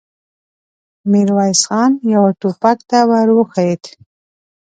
ميرويس خان يوه ټوپک ته ور وښويېد.